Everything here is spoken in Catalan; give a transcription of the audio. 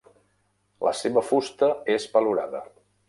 La seva fusta és valorada.